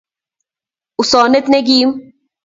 Usonet nekim